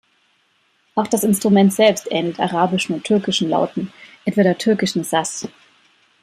Auch das Instrument selbst ähnelt arabischen und türkischen Lauten, etwa der türkischen "saz".